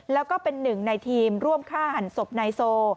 แล้วก็เป็นหนึ่งในทีมร่วมฆ่าหันศพนายโซ